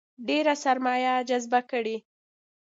ډېره سرمایه جذبه کړي.